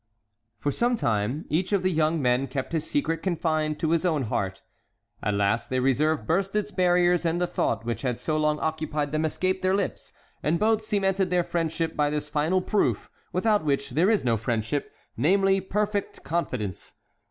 For some time each of the young men kept his secret confined to his own heart. At last their reserve burst its barriers, and the thought which had so long occupied them escaped their lips, and both cemented their friendship by this final proof, without which there is no friendship,—namely, perfect confidence.